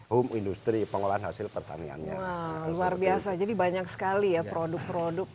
home industry pengolahan hasil pertaniannya luar biasa jadi banyak sekali ya produk produk